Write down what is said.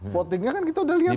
votingnya kan kita udah lihat